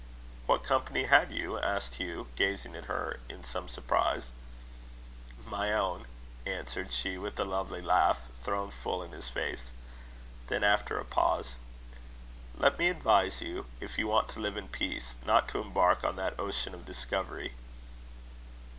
"What company had you?" asked Hugh, gazing at her in some surprise. "My own," answered she, with a lovely laugh, thrown full in his face. Then after a pause: "Let me advise you, if you want to live in peace, not to embark on that ocean of discovery."